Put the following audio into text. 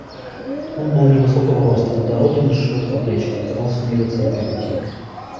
Он был невысокого росту, дороден и широкоплеч, и показался мне лет сорока пяти.